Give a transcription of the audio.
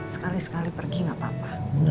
sekali sekali pergi gak apa apa